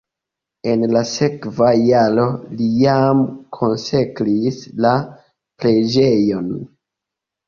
En la sekva jaro li jam konsekris la preĝejon.